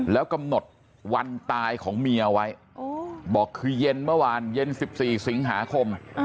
แล้วกำหนดวันตายของเมียไว้บอกคือเย็นเมื่อวานเย็น๑๔สิงหาคม